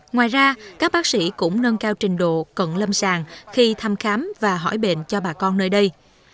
ngoài ra các bác sĩ cũng nâng cao trình độ cận lâm sàng khi thăm khám và hỏi bệnh cho bà con nơi đây